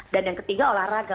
dan yang ketiga olahraga